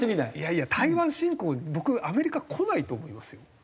いやいや台湾侵攻に僕アメリカ来ないと思いますよ。